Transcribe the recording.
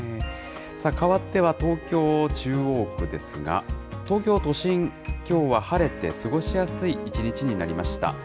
変わっては東京・中央区ですが、東京都心、きょうは晴れて過ごしやすい一日になりました。